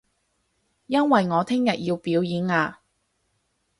因為我聽日要表演啊